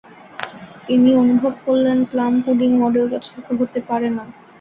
তিনি অনুভব করলেন, প্লাম পুডিং মডেল যথাযথ হতে পারে না।